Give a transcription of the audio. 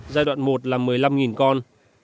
giai đoạn một là một mươi năm con